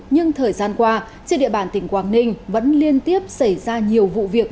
nhưng thời gian qua trên địa bàn tỉnh quảng ninh vẫn liên tiếp xảy ra nhiều vụ việc